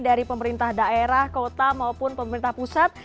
dari pemerintah daerah kota maupun pemerintah pusat